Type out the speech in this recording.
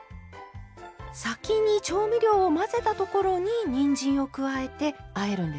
先に調味料を混ぜたところににんじんを加えてあえるんですね。